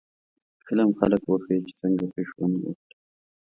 فلم خلک وښيي چې څنګه ښه ژوند وکړي